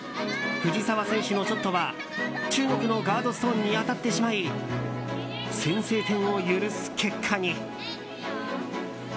藤澤選手のショットは中国のガードストーンに当たってしまい先制点を許す結果に。